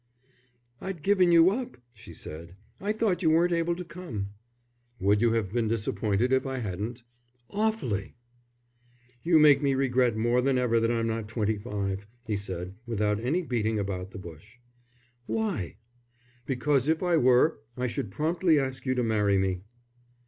"I'd given you up," she said. "I thought you weren't able to come." "Would you have been disappointed if I hadn't?" "Awfully!" "You make me regret more than ever that I'm not twenty five," he said, without any beating about the bush. "Why?" "Because if I were I should promptly ask you to marry me."